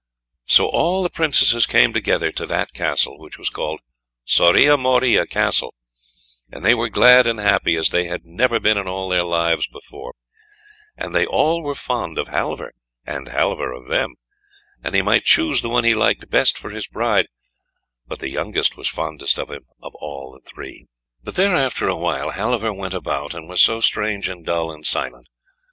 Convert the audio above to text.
So all the Princesses came together to that Castle, which was called Soria Moria Castle, and they were glad and happy as they had never been in all their lives before, and they all were fond of Halvor and Halvor of them, and he might choose the one he liked best for his bride; but the youngest was fondest of him of all the three. But there after a while, Halvor went about, and was so strange and dull and silent.